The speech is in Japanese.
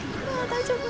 大丈夫？